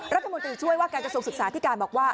รัฐมนตรีช่วยว่าการกระทรวงศึกษาที่การบอกว่า